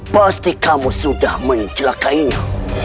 pasti kamu sudah mencelakainya